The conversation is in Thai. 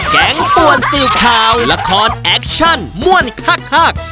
แกงปวนสืบข่าวละครแอคชั่นมวลคัก